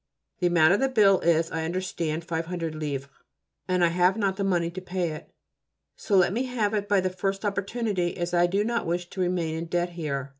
The amount of the bill is, I understand, 500 livres, and I have not got the money to pay it, so let me have it by the first opportunity, as I do not wish to remain in debt here.